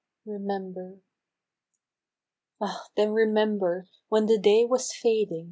remember ! Ah ! then remember, when the day was fading.